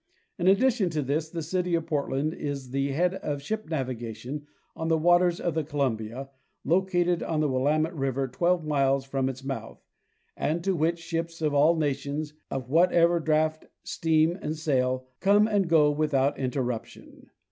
In addition to this, the city of Port land is the head of ship navigation on the waters of the Colum bia, located on the Willamette river 12 miles from its mouth, and to which ships of all nations, of whatever draught, steam and sail, come and go without interruption.